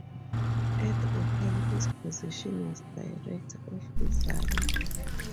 At Opel his position was Director of Design.